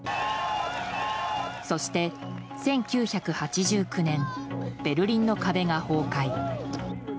そして、１９８９年ベルリンの壁が崩壊。